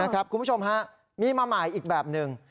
คุณผู้ชมฮะมีมาใหม่อีกแบบหนึ่ง